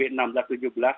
dari warga negara indonesia